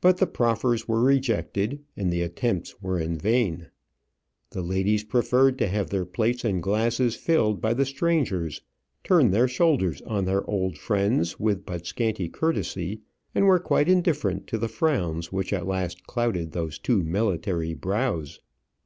But the proffers were rejected, and the attempts were in vain. The ladies preferred to have their plates and glasses filled by the strangers, turned their shoulders on their old friends with but scant courtesy, and were quite indifferent to the frowns which at last clouded those two military brows.